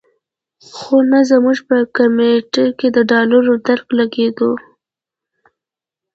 خو نه زموږ په کمېټه کې د ډالرو درک لګېدو.